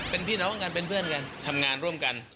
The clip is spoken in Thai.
เป็นพี่น้องกันเป็นเพื่อนกันทำงานร่วมกัน